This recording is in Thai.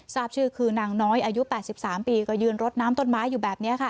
ทราบชื่อคือนางน้อยอายุ๘๓ปีก็ยืนรดน้ำต้นไม้อยู่แบบนี้ค่ะ